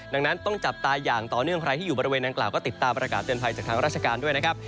ดังนั้นต้องจับตาอย่างต่อเนื่องใครที่อยู่บริเวณนางกล่าวก็ติดตามประกาศเตือนภัยจากทางราชการด้วยนะครับ